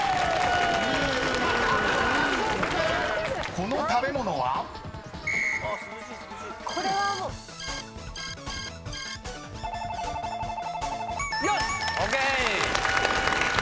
［この食べ物は？］ＯＫ！